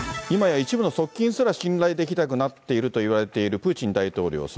今や一部の側近すら信頼できなくなっているといわれているプーチン大統領。